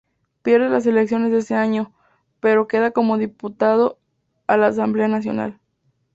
Pierde las elecciones de ese año, pero queda como diputado a la Asamblea Nacional.